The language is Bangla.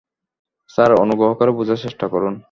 স্যার, অনুগ্রহ করে বোঝার চেষ্টা করুন।